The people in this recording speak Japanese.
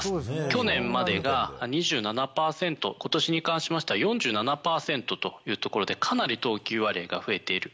去年までが２７％、ことしに関しましては４７％というところで、かなり投球割合が増えている。